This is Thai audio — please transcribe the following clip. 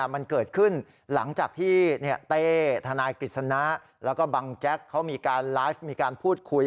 มันเกิดขึ้นหลังจากที่เต้ทนายกฤษณะแล้วก็บังแจ๊กเขามีการไลฟ์มีการพูดคุย